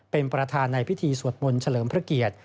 เป็นประธานในพิธีสวดมนต์เฉลิมพระเกียรติ